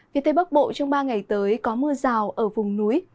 vì tây bắc bộ trong ba ngày tới có mưa rào ở vùng núi